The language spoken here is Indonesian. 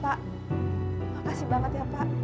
pak makasih banget ya pak